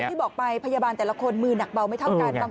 ที่บอกไปพยาบาลแต่ละคนมือหนักเบาไม่เท่ากัน